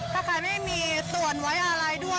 ถ้าใครไม่มีส่วนไว้อะไรด้วย